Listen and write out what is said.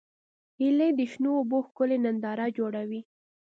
هیلۍ د شنو اوبو ښکلې ننداره جوړوي